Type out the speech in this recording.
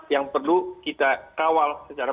yang perlu kita kawal secara